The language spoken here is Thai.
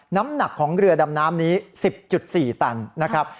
น้ำหนักของเรือดำน้ำนี้๑๐๔ตันนะครับ